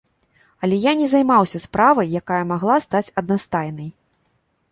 Але я не займаўся справай, якая магла стаць аднастайнай.